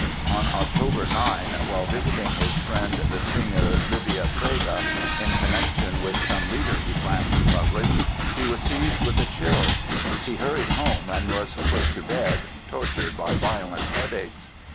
On Oct. 9, while visiting his friend, the singer Livia Frege, in connection with some Lieder he planned to publish, he was seized with a chill. He hurried home and was put to bed, tortured by violent headaches.